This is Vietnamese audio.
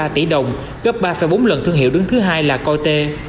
chín mươi ba tỷ đồng gấp ba bốn lần thương hiệu đứng thứ hai là coite